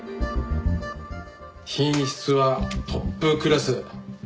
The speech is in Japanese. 品質はトップクラス。